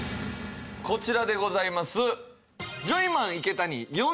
こちらでございます。